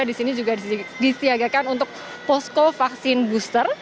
di sini juga disiagakan untuk post co vaccine booster